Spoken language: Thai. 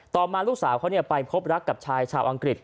ต่อมาลูกสาวเขาไปพบรักกับชายชาวอังกฤษ